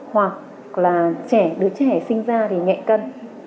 hoặc là đứa trẻ sinh ra thì nhẹ cân